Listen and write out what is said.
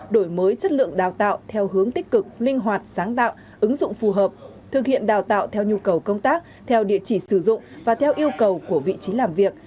đổi mới chất lượng đào tạo theo hướng tích cực linh hoạt sáng tạo ứng dụng phù hợp thực hiện đào tạo theo nhu cầu công tác theo địa chỉ sử dụng và theo yêu cầu của vị trí làm việc